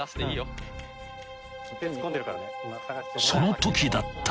［そのときだった］